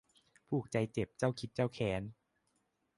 พวกผูกใจเจ็บ เจ้าคิดเจ้าแค้น